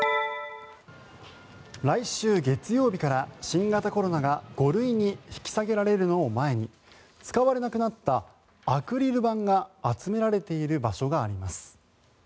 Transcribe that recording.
来週月曜日から新型コロナが５類に引き下げられるのを前に使われなくなったアクリル板が集められている場所があります。